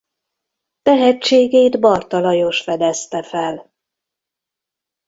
Tehetségét Barta Lajos fedezte fel.